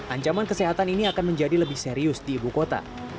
ancaman kesehatan ini akan menjadi lebih serius di ibu kota